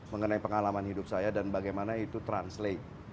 mengenai pengalaman hidup saya dan bagaimana itu translate